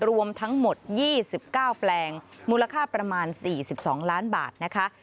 รวมทั้งหมดยี่สิบเก้าแปลงมูลค่าประมาณสี่สิบสองล้านบาทนะคะ